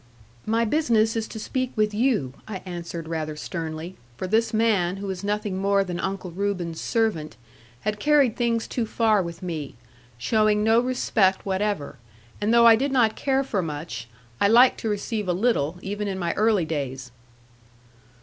'My business is to speak with you,' I answered rather sternly; for this man, who was nothing more than Uncle Reuben's servant, had carried things too far with me, showing no respect whatever; and though I did not care for much, I liked to receive a little, even in my early days.